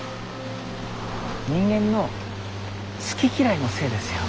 人間の好き嫌いのせいですよ。